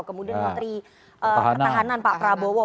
kemudian menteri pertahanan pak prabowo